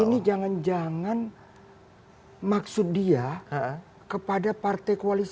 ini jangan jangan maksud dia kepada partai koalisi